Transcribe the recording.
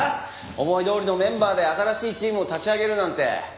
思いどおりのメンバーで新しいチームを立ち上げるなんて。